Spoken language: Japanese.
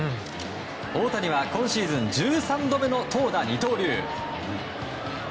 大谷は、今シーズン１３度目の投打二刀流。